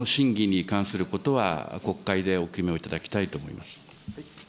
国会の審議に関することは、国会でお決めをいただきたいと思います。